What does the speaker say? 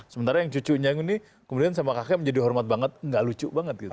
sementara yang cucunya ini kemudian sama kakek menjadi hormat banget nggak lucu banget gitu